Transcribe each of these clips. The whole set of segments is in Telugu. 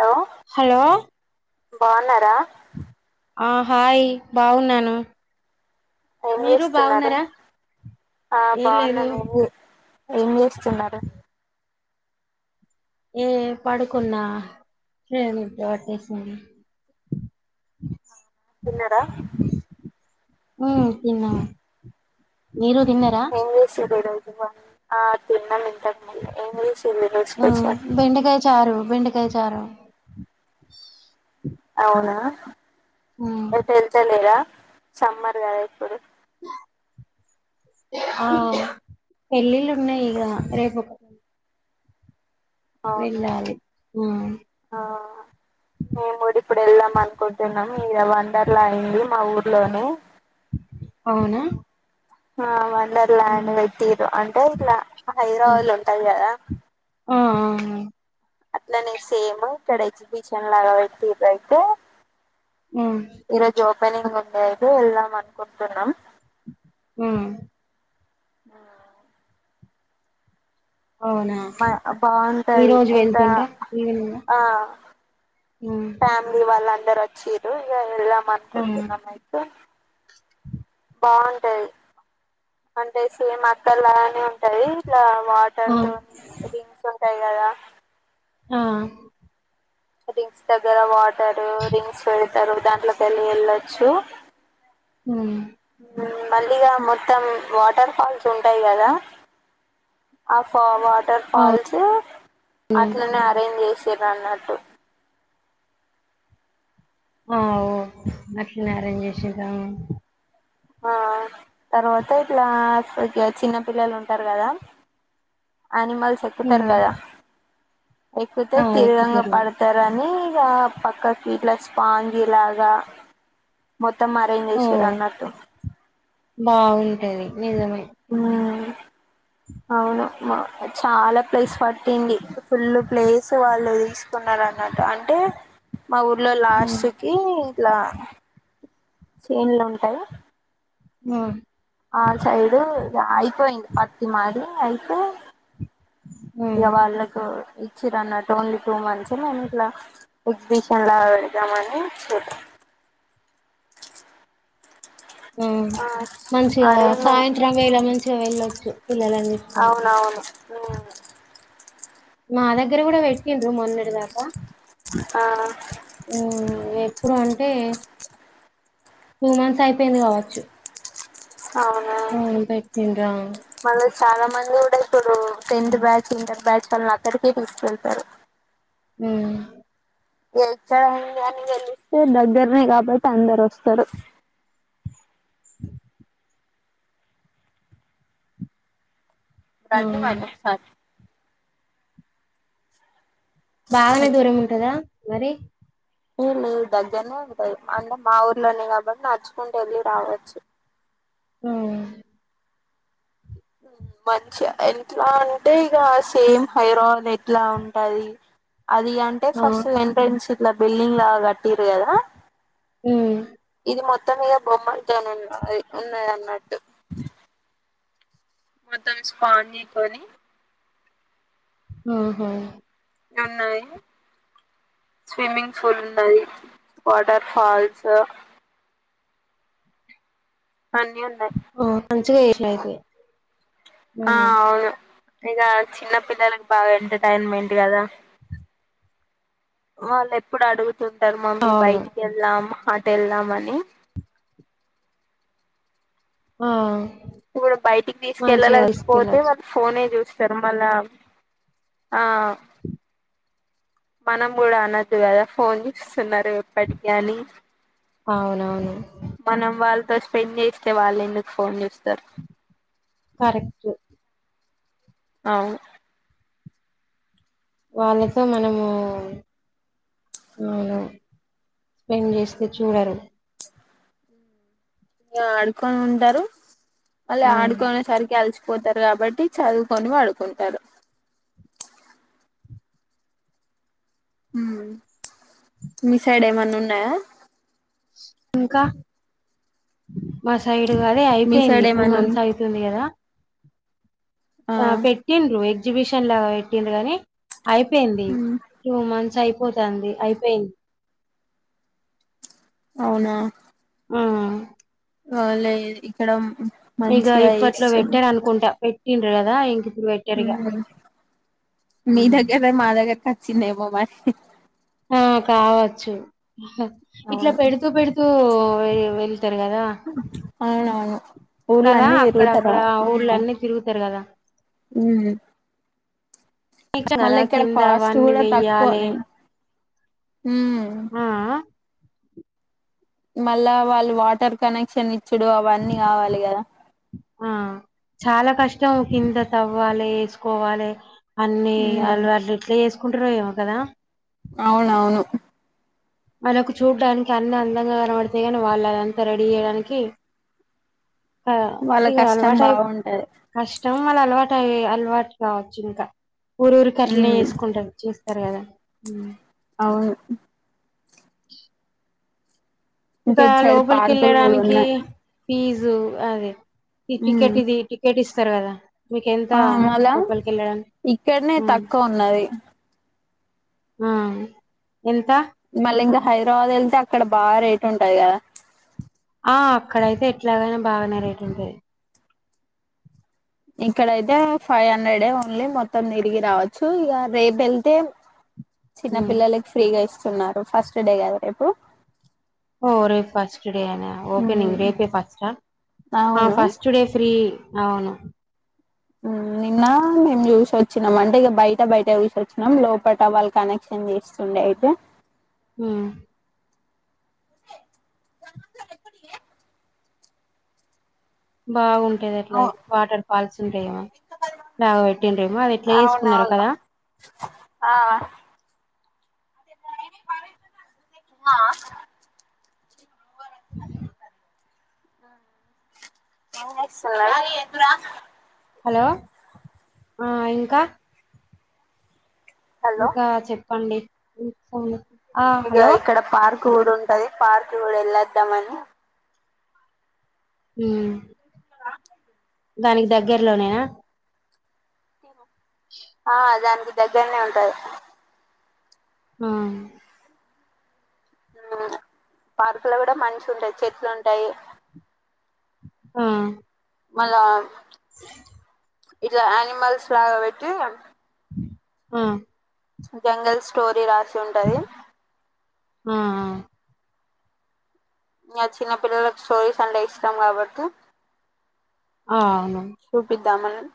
హలో హలో బాగున్నారా ఆ హాయ్ బాగున్నాను ఏం మీరు చేస్తున్నారు బాగున్నారా ఆ ఏం లేదు బాగున్నాంమండి ఏం చేస్తున్నారు ఏమి పడుకున్న శ్రేణి తోటి పట్టేసింది తిన్నరా ఉమ్ తిన్నాం మీరు తిన్నర ఏం చేసిర్రు ఈరోజు ఆ తిన్నం అండి ఉమ్ బెండకాయ చారు బెండకాయ్ యె చారు అవునా ఉమ్ ఎటు ఎళ్తలేర సమ్మర్ కద ఇప్పుడు ఆ పెళ్ళిళ్ళు ఉన్నయి ఇక రేపు అవున వెళ్ళాలి ఆ ఆ మేము ఇప్పుడు వెళ్దాం అనుకుంటున్నాము ఇగ వండర్ల అయింది మా ఊరు లోను అవున హా మర్ వండర్ ల్యాండ్ పెట్టిరు అంటే ఇట్ల హైద్రబాద్ లో ఉంటాయి కదా ఆ ఆ ఆ అట్లనే సేమ్ ఇక్కడ ఎగ్జిబిషన్ లాగ పెట్టిండ్రు అయితే ఊమ్ పెళ్లికు ముందయతే వెళ్దాం అనుకుంటున్నాం ఊమ్ ఆ అవునా మయ్ ఈ బాగుంటది రోజు ఇంత వెళ్తుండ్రా ఈవినింగ్ ఆ ఉమ్ ఫ్యామిలీ వాళ్ళ అందరు వచ్చిరు ఇగ మా అత్త ఆ ఉండిద్ది నమ్యిత్ బాగుంటది అంటే సేమ్ అక్కల్లానే ఉ ఉంటది ఇట్ల వాటర్ ఆ తోని డ్రింక్ తోని తెల్లగా ఆ ర్రింక్స్ దగ్గర వాటరు ర్రింక్స్ పెరుగు దాంట్లోకి వెళ్ళి వెళ్ళొచ్చు ఊమ్ హ్మ్ మళ్ళీగా మొత్తం వాటర్ ఫాల్స్ ఉంటాయి కదా ఆ ఫ వా వాటర్ ఫాల్స్ అవును అట్లనే అరేంజ్ చేసి తిను అన్నట్టు ఆఓ గట్న అరేంజ్ జేసిండ్రు ఆ తర్వాత ఇట్లా ఇట్ల చిన్న పిల్లలు ఉంటారు కదా అనిమల్స్ ఎక్కుతరు ఉమ్ గదా ఎక్కుతే ఆ తిర్వంగ ఎక్కుతారు పడుతారని ఇక పక్కకి ఇట్ల స్టాండ్ ఇలాగ మో మొత్తం మారింది ఓ సురన్నట్టు బాగుంటది నిజమే అవున మ చాలా ప్లేస్ పట్టింది ఫుల్ ప్లేస్ వాళ్ళు తీసుకున్నారు అన్నట్టు అంటే మా ఊర్లో ఉమ్ లాస్ట్ కి ఇట్లా చేన్లుఉంటాయ్ ఉ ఆ సైడు ఆయిపోయింది పత్తి మాది అయితే ఆ ఇగవాళ్ళతో ఇచ్చిరన్నట్టు ఓన్లీ టూ మంత్స్ మేము ఇట్లా ఎగ్జిబిషన్ లా పెడదామని చూద్దాం ఉమ్మ్ మంచిగా అరేంజ్మెంట్ సాయంత్రం వేళ మంచిగా వెళ్ళొచ్చు పిల్లలని తీసుకొని ఉమ్మ్ మా దగ్గర కూడా పెట్టిండ్రు మొన్నటి దాకా ఆ ఉమ్మ్ లే ఇప్పుడు అంటే టూ మంత్స్ అయిపోయింది కావచ్చు అవును ఉమ్మ్ ఇంకా ఎక్కువైంది రా మళ్ళీ చాలా మంది గూడా ఇప్పుడు టెన్త్ బ్యాచ్, ఇంటర్ బ్యాచ్ తనని అక్కడికే తీసుకెళ్తారు. ఉమ్ ఎక్కడ అని గాని తెలిస్తే దగ్గరనే కాబట్టి అందరు వస్తారు. ఆ రండి మరీ సార్ బాగానే హలో దూరం ఉంటదా మరి ఏ నీ దగ్గరనే ఉంటాయి అంటే మా ఊర్లోనే కాబట్టి నడూచుకుంటూ వెళ్ళి రావచ్చు మ్మ్ మంచి ఎట్లా అంటే ఇక సేమ్ హైరాయిల్ ఎట్లా ఉంటది అది అంటే ఆ ఫస్ట్ ది ఎంట్రెన్స్ ఇల బిల్డింగ్ లా కట్టిర్రుకదా ఉం ఇది మొత్తం ఇగ బొమ్మలుతోనున్నాయి ఉన్నాయి అన్నట్టు మొత్తం ఇది స్పాంజి తోని ఆహా నున్నవి స్విమ్మింగ్ పూల్ అవి వాటర్ ఫాల్స్ అన్నియన్ ఒ మంచిగా ఏయ్ అట్లయితే ఆ అవును ఇక చిన్న పిల్లలలకు బాగా ఎంటర్టైన్మెంట్ కదా వాళ్ళు ఎప్పుడు అడుగు తుంటారు మమ్మీ అవును బైట్కీ వెళ్ళాదామ ఆటెల్ దా మని ఆ ఇప్పుడు బయటికి మంచిగా తీసుకెళ్ళలేకపోతే తీసుకెళ్ళచ్చు వాళ్ళు ఫోనే చూసి శర్మల ఆ మనం కూడా అనదు కదా ఫోన్ చూస్తున్నారు ఎప్పటి కానీ అవునవును మనం వాళ్ళతో స్పెండ్ చేస్తే వాళ్ళ ఎందుకు ఫోన్ చూస్తార్ కరెక్ట్ అవు వాళ్ళతో మనము మ్మ్ స్పెండ్ చేస్తే చూడరు ఇకా ఆడుకొని ఉంటారు అల్ హ్మ్ ఆడుకోనే సరికి ఆల్చ్ పోతారు కాబట్టి చదువుకొని వాడుకుంటారు మ్మ్ మీ సైడ ఏమన్ ఉన్నాయా ఇంకా మాసయి అదే మీ అయిపోయింది సైడ్ టూ ఏమన్నా ఉన్ మంత్స్ అవుతుంది కదా ఆ పెట్టిండ్రు ఎగ్ ఎగ్జిబిషన్ లాగా పెట్టింది కానీ అయిపోయింది ఉమ్ టూ మంత్స్ అయ్ పోద అండి అయిపోయింది అవునా మ్మ్ ఆ లే ఇక్కడం ఇక ఇప్పట్లో పెట్టడు అనుకుంటా ఇంట కదా ఇంగ్ మీ దగ్గద మా దగ్గర చిన్నైమ మరి ఆ కావచ్చు ఇట్లా అవును పెడుతూ పెడుతూ వె వెళతారు కదా అవునవును కదా ఊర్లన్నీ అక్కడ తిరుగుతారు అక్కడ ఊర్ళ అన్నీ తిరుగుతారు కదా ఉమ్ ఇష్టం కదా మళ్ళీ ఇక్కడ కింద కాస్ట్ అవన్నీ కూడా తక్కువ వెయ్యాలి నేను మ్మ్ ఆ మళ్ళా వాళ్ళు వాటర్ కనెక్షన్ ఇచ్ చుడు అవన్నీ కావాలి కదా ఆ చాలా కష్టం కింద తవ్వాలి వేసుకోవాలి అన్నిీ ఉమ్ అలవాట్లు ఎట్లా చేసు కుంట్రఏ మే కదా అవునవును అరకు చూడ్డానికి అన్నిీ అందంగా కనవడతాయి కాని వాళ్ళు అదంతా రెడీ చేయడానికి ఆ, వాళ్ళ కష్టం బాగుంటది వాళ్ళ అలవాటు అయి అలవాటు కావచ్చు ఇంకా ఊరు ఊరు అట్లనే ఉమ్ చేసుకుంటారూ సరే కదా అవును ఇంక ఇంకా ఇటు సైడ్ లోపలికి పార్కులు కూడా ఎళ్ళడానికి ఉన్నాయి ఫీజ్ దు అదే తి ఉమ్ టికెటీ ఇది టికేటు ఇసే అత్తరు గదా ఆ మల్ల ఇక్కనే తక్కువ ఉన్నది ఆ ఎంత మళ్ళీ ఇంకా హైదరాబాద్ ఎళ్తే అక్కడ బాగా రేట్ ఉంటది గదా ఆ అక్కడయితే ఎట్లాగైన బాగనే రేటు ఉంటది ఇక్కడయితే ఫైవ్ హండ్రెడ్ డే ఓన్లీ మొత్తం తిరిగి రావచ్చు ఇక రేపే ఎళ్తే చిన్న ఉమ్ పిల్లకి ఫ్రీగా ఇస్త న్నారు ఫస్ట్ డే గదా రేపు ఓ రేపు ఫస్ట్ డే నే ఓపెనింగ్ రేపే ఫస్ ఆ అవును ఫస్ట్డే ఫ్రీ అవును ఊ నిన్న మేము చూసిొచ్చినాం అంటే ఇక బయట బయట చూసొచ్చినం లోపల వాళ్ళ కనెక్షన్ చేస్తుండే అయితే ఊ బాగుంది ది ఎట్ల ఇ అవు వాటర్ ఫాల్స్ ఇంకే యా [unintelligible] పెట్టింరేమో అది ఎట్ల చేసుకున్నారో అవునవును కదా ఆ ఎం ఎస్ లా ఈ ఎట్లా హలో ఆ ఇంకా హలో ఇంకా చెప్ పండి ఫోల్లో ఇగ ఇక్కడ పార్క్ కూడుఉంటది పార్క్ కూడా ఎళ్ళద్దాం మని ఊ నిన్న రావట్లేదు దానికి దగ్గర్లోనేనా ఆ దాంది దగ్గరనే ఉంటాది హు పార్కులో కూడా మంచి ఉంటాయి చెట్లు ఉంటాయి హా మళ్ళా ఇట్లా అనిమల్స్ లాగా పెట్టి ఆ జంగల్ స్టోరీ రాసి ఉంటది ఆ ఆ ఇంగ చిన్న పిల్లలలకు స్టోరీస్ అంటే ఇష్టాం కాబట్టి ఆ అవును ధమానం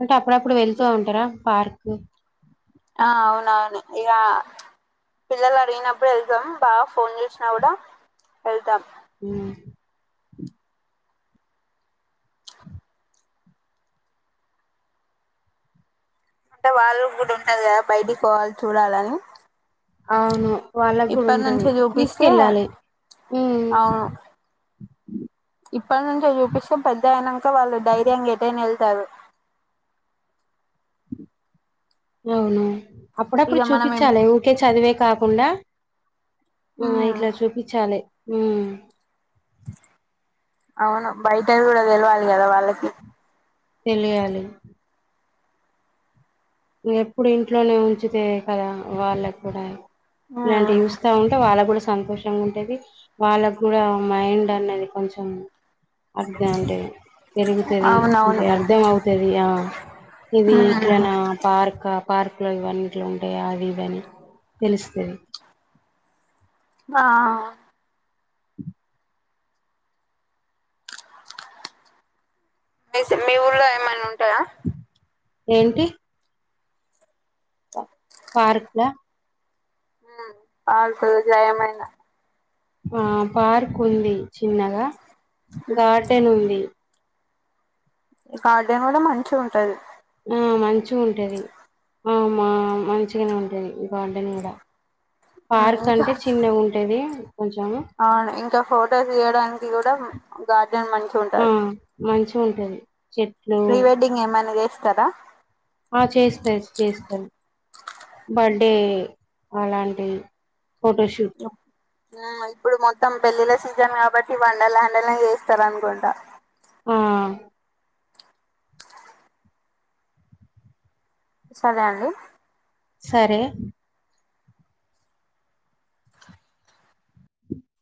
అంటే అప్పుడప్పుడు వెళ్తూ ఉంటారా పార్క్ కు ఆ అవునవును ఇగ పిల్లలు అడిగినప్పుడు వెళ్తాం బావ ఫోన్ చేసినా కూడా వెళ్తాం. హు అంటే వాళ్ళు కూడా ఉంటది కదా బయటి పోవాలి చూడాలని అవును వాళ్ళకు కూడా ఇప్పటి ఉంటది నుంచే చూపిస్తే తీసుకెళ్ళాలి హు అవును ఇప్పటి నుంచో చూపిస్తే పెద్ద అయినాక వాళ్ళు ధైర్యంగా ఎటైనా వెల్ తారు అవును అప్పుడప్పుడు ఇక మనం ఎప్- చూపించాలి ఊకే చదువే కాకుండా హు ఉమ్ ఇట్లా చూపిచ్చాలే హు అవును బయటవి కూడా తెలవాలి కదా వాళ్ళకి తెలియాలి ఎప్పుడు ఇంట్లోనే ఉంచుతే కదా వాళ్ళగూడ ఇలాంటి చూస్తా ఉంటే వాళ్ళ కూడా సంతోషంగా ఉంటేది వాళ్ళకు కూడా మైండ్ అన్నది కొంచెం అర్థం అంటే అవునవును పెరుగుతుందిఅంటే అర్థం అవుతుంది ఆ ఇది ఇట్లా నా పార్క్ పార్క్ లో ఇవన్నీ ఇట్లు ఉంటాయా అవి ఇవని తెలుస్తది ఆ మీ ఊర్లో ఎమన్న ఉంటే ఏంటి పార్క్లా హం పాాల స జయమైన ఆ పార్క్ ఉంది చిన్నగా గార్డెన్ ఉంది ఈ గార్డెన్ కూడా మంచి ఉంటది ఆ మంచి ఉంటేది ఆ మంచిగానే ఉంటేది గార్డెన్ కూడా పార్క్ ఇంకా అంటే చిన్నగా ఉంటది కొంచెం అవును ఇంకా ఫొటోస్ తీయడానికి కూడా గార్డెన్ మంచి ఉంటారు చూల్దది ప్రీ వెెడ్డింగ్ ఏ మన కదా ఆ చేస్తాారు చేస్తారు బర్త్డే అలాంటి ఫటాశూట్ ఆ ఇప్పుడు మొత్తం పెళ్ల్లా సీజన్ కాబట్టి వండలు్యాండల్నే చేస్తారు అనుకుంటా ఆ సరే అండి సరే